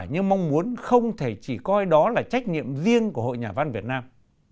như mong muốn không thể chỉ coi đó là trách nhiệm riêng của hội nhà văn việt nam